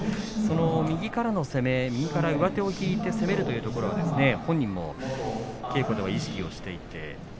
右からの攻め右から上手を引いて攻めるというところ本人も稽古では意識していて。